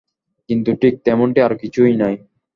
কিন্তু ঠিক তেমনটি আর কিছুই নাই।